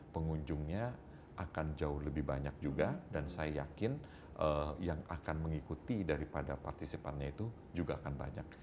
pengunjungnya akan jauh lebih banyak juga dan saya yakin yang akan mengikuti daripada partisipannya itu juga akan banyak